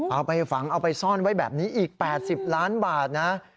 เอาไปฝังเอาไปซ่อนไว้แบบนี้อีก๘๐ล้านบาทนะ